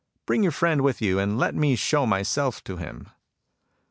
Bring your friend with you, and let me show myself to him."